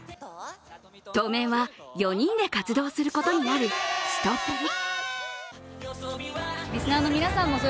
当面は４人で活動することになるすとぷり。